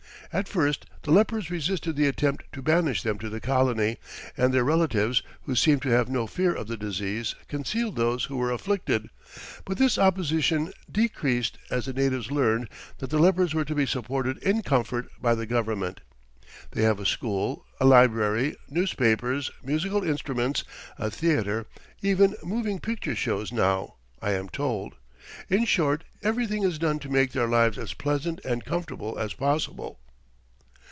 At first the lepers resisted the attempt to banish them to the colony, and their relatives, who seemed to have no fear of the disease, concealed those who were afflicted, but this opposition decreased as the natives learned that the lepers were to be supported in comfort by the Government. They have a school, a library, newspapers, musical instruments, a theater, even moving picture shows now, I am told in short, everything is done to make their lives as pleasant and comfortable as possible.